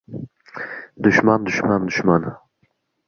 – Dushman, dushman, dushman!